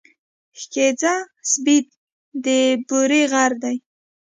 سېځگه سېبت د بوري غر دی.